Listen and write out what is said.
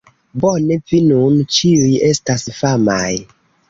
Bone, vi nun ĉiuj estas famaj